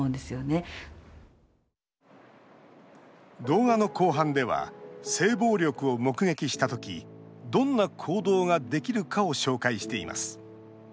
動画の後半では性暴力を目撃したときどんな行動ができるかを紹介しています。